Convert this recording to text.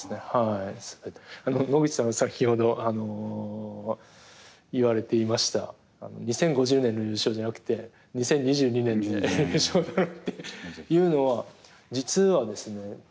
野口さんが先ほど言われていました２０５０年の優勝じゃなくて２０２２年の優勝っていうのは実はですね